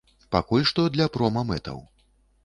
Пакуль што для прома-мэтаў.